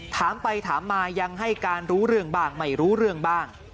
ถามไปถามมายังให้การรู้เรื่องบ้างไม่รู้เรื่องบ้าง